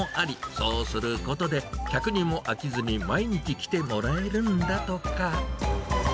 そうすることで、客にも飽きずに毎日来てもらえるんだとか。